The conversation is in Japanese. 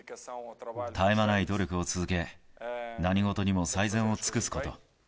絶え間ない努力を続け、何事にも最善を尽くすこと。